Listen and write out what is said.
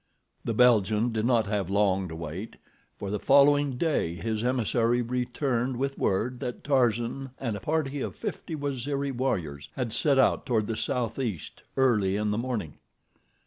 The Belgian did not have long to wait, for the following day his emissary returned with word that Tarzan and a party of fifty Waziri warriors had set out toward the southeast early in the morning.